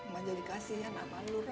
maja dikasih ya nak